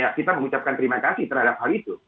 ya kita mengucapkan terima kasih terhadap hal itu